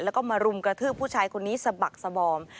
แล้วก็มารุมกระทืบผู้ชายคนนี้สะบักสบอม